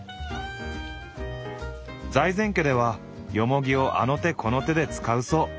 財前家ではよもぎをあの手この手で使うそう。